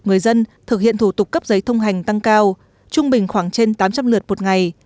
người dân thực hiện thủ tục cấp giấy thông hành tăng cao trung bình khoảng trên tám trăm linh lượt một ngày